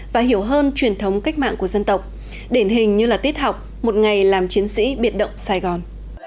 và hiểu hơn truyền thống cách mạng của dân tộc đển hình như là tiết học một ngày làm chiến sĩ biệt động sài gòn